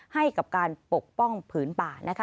ให้กับการปกป้องผืนป่านะคะ